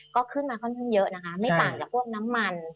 ก็ขึ้นมาค่อนข้างเยอะนะคะไม่ต่างจากพวกน้ำมัน